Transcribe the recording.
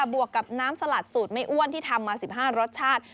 บวกกับน้ำสลัดสูตรไม่อ้วนที่ทำมา๑๕รสชาติ